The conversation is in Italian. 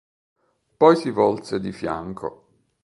Poi si volse di fianco.